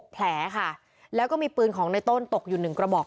พวกมันต้องกินกันพี่